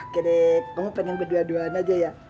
oke deh kamu pengen berdua duaan aja ya